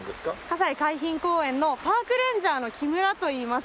西海浜公園のパークレンジャーの木村といいます。